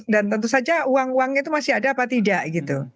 dan tentu saja uang uang itu masih ada apa tidak gitu